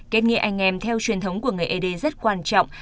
kết nghĩa anh em theo truyền thống của người ế đê rất quan trọng